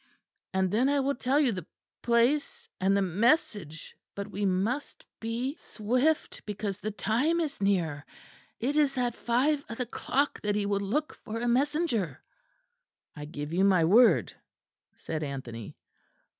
And then I will tell you the p place and the m message; but we must be swift, because the time is near; it is at five of the clock that he will look for a messenger." "I give you my word," said Anthony.